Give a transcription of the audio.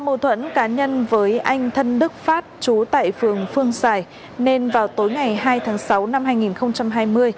do mâu thuẫn cá nhân với anh thân đức phát chú tệ phường phương giải nên vào tối ngày hai tháng sáu năm hai nghìn hai mươi